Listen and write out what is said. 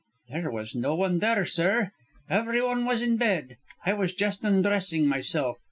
"There was no one there, sir. Everyone was in bed; I was just undressing, myself.